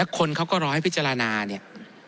คนเขาก็รอให้พิจารณาเนี่ย